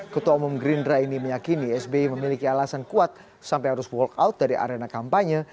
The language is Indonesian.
ketua umum gerindra ini meyakini sby memiliki alasan kuat sampai harus walk out dari arena kampanye